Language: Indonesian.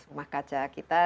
yang diperlukan oleh pemerintah